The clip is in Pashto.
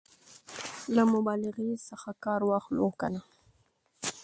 له مبالغې څخه کار واخلو او که نه؟